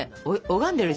拝んでるし。